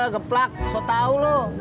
geplak so tau lu